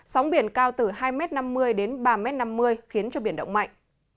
sóng biển cao từ hai năm mươi m đến ba năm mươi m khiến cho biển động mạnh